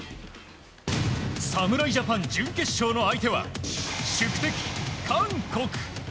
侍ジャパン準決勝の相手は宿敵、韓国。